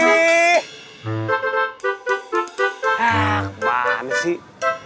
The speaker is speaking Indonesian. hah kemana sih